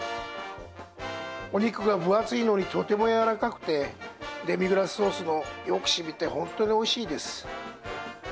お肉が分厚いのにとても柔らかくて、デミグラスソースもよくしみて、本当においしいです。